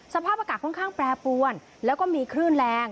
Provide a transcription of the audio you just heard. สภาพอากาศค่อนข้างแปรปวนแล้วก็มีคลื่นแรง